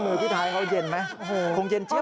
ขอบคุณพี่ไทยที่ขอบคุณพี่ไทย